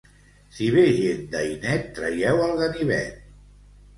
Si ve gent d'Ainet, traieu el ganivet.